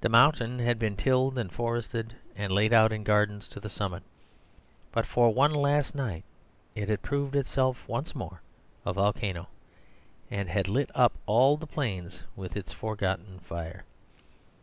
The mountain had been tilled and forested, and laid out in gardens to the summit; but for one last night it had proved itself once more a volcano, and had lit up all the plains with its forgotten fire.